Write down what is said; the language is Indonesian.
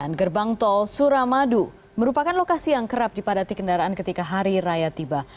dan gerbang tol suramadu merupakan lokasi yang kerap dipadati kendaraan ketika hari raya tiba